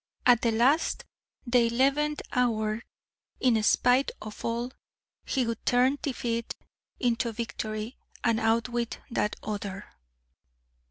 At the last, the eleventh hour in spite of all he would turn defeat into victory, and outwit that Other.